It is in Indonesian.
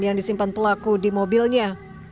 yang disimpan pelaku di mobilnya